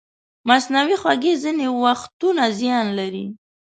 مصنوعي خوږې ځینې وختونه زیان لري.